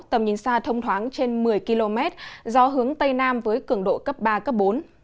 tầm nhìn xa thông thoáng trên một mươi km gió hướng tây nam với cường độ cấp ba cấp bốn